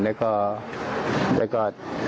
แล้วก็